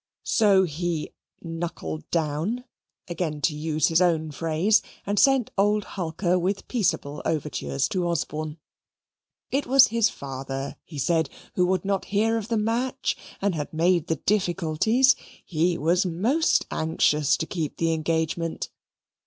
So he "knuckled down," again to use his own phrase, and sent old Hulker with peaceable overtures to Osborne. It was his father, he said, who would not hear of the match, and had made the difficulties; he was most anxious to keep the engagement.